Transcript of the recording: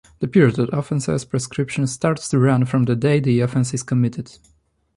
The period of offences prescription starts to run from the day the offence is committed.